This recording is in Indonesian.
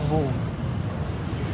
bisa enggak ya